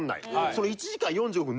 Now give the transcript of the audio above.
その１時間４５分。